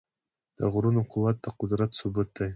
د غرونو قوت د قدرت ثبوت دی.